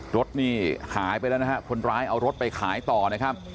รถนี่หายไปแล้วนะฮะคนร้ายเอารถไปขายต่อนะครับ